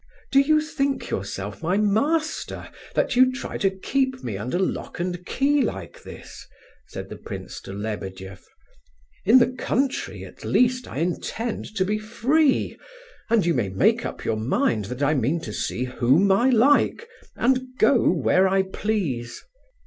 "Do you think yourself my master, that you try to keep me under lock and key like this?" said the prince to Lebedeff. "In the country, at least, I intend to be free, and you may make up your mind that I mean to see whom I like, and go where I please."